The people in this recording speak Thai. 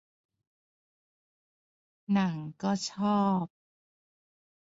หนังก็ชอบ